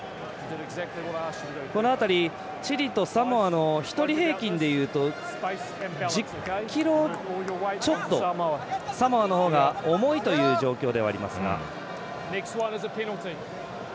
この辺り、チリとサモアの１人平均で言うと１０ｋｇちょっとサモアのほうが重いという状況ではありますが。